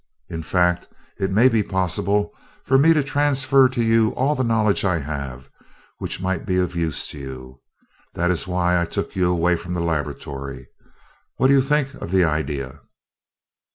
In fact, it may be possible for me to transfer to you all the knowledge I have which might be of use to you. That is why I took you away from the laboratory. What do you think of the idea?"